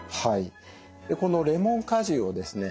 このレモン果汁をですね